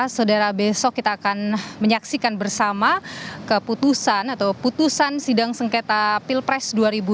saudara besok kita akan menyaksikan bersama keputusan atau putusan sidang sengketa pilpres dua ribu dua puluh